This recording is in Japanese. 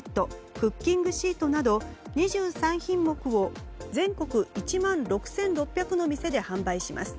クッキングシートなど２３品目を全国１万６６００の店で販売します。